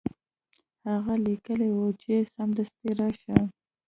هغه لیکلي وو چې سمدستي راشه.